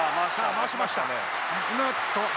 回しましたね。